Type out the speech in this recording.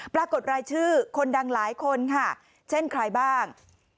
ปรากฏรายชื่อคนดังหลายคนค่ะเช่นใครบ้าง